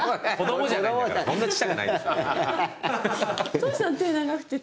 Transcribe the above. トシさん手長くて。